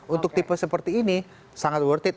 untuk tipe seperti ini sangat worth it